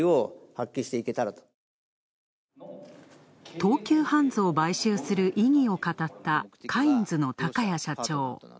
東急ハンズを買収する意義を語ったカインズの高家社長。